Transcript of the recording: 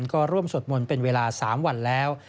ก็ร่วมสวดมนต์เป็นเวลา๓วันแล้ว